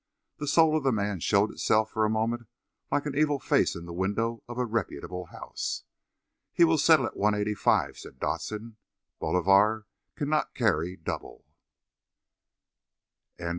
The soul of the man showed itself for a moment like an evil face in the window of a reputable house. "He will settle at one eighty five," said Dodson. "Bolivar cannot carry double."